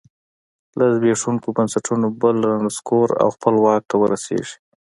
له زبېښونکو بنسټونو بل رانسکور او خپله واک ته ورسېږي